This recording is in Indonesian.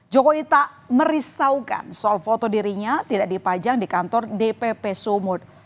jokowi tak merisaukan soal foto dirinya tidak dipajang di kantor dpp sumut